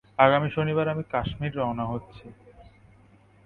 আগামী শনিবার আমি কাশ্মীর রওনা হচ্ছি।